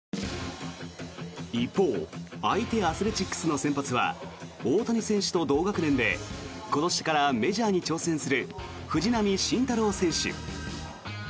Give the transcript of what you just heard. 一方相手、アスレチックスの先発は大谷選手と同学年で今年からメジャーに挑戦する藤浪晋太郎選手。